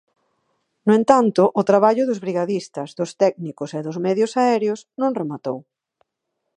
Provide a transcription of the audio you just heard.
No entanto o traballo dos brigadistas, dos técnicos e dos medios aéreos non rematou.